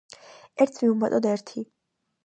ერთს მივუმატოთ ერთი.